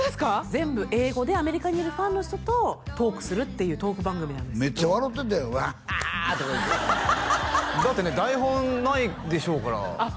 全部英語でアメリカにいるファンの人とトークするっていうトーク番組なんですけどめっちゃ笑うてたよワハハッとか言うてだってね台本ないでしょうからあっ